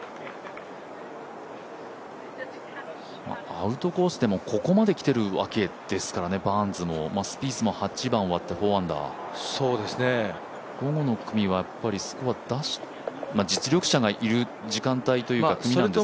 アウトコースでもここまで来ているわけですから、バーンズもスピースも８番終わって、４アンダー午後の組はスコア実力者がいる時間帯ともいえますけど。